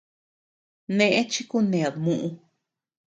Neʼë chi kuned muʼu.